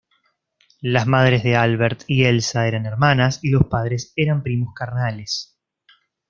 Las madres de Albert y Elsa eran hermanas y los padres eran primos carnales.